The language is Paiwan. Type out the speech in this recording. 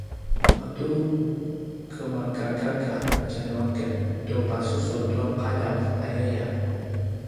matugemagagaga tjanuaken tu pasusu tua ’adav ayaya